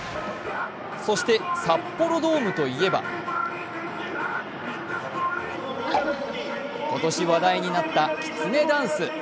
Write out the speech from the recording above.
そして、札幌ドームといえば今年話題になったきつねダンス。